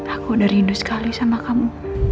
aku udah rindu sekali sama kamu